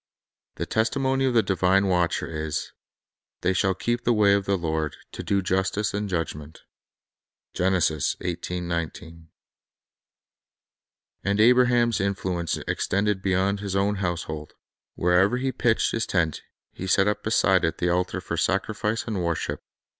The testimony of the divine Watcher is, "They shall keep the way of the Lord, to do justice and judgment." 3 And Abraham's influence extended beyond his own household. Wherever he pitched his tent, he set up beside it the altar for sacrifice and worship.